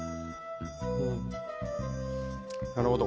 なるほど。